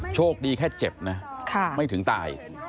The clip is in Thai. โชคดีแค่เจ็บนะไม่ถึงตาย